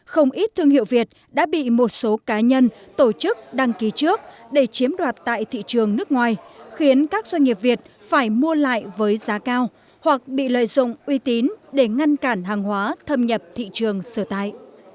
không ít thương hiệu việt đã bị một số cá nhân tổ chức đăng ký trước để chiếm đoạt tại thị trường nước ngoài khiến các doanh nghiệp việt phải mua lại với giá cao hoặc bị lợi dụng uy tín để ngăn cản hàng hóa thâm nhập thị trường sở tại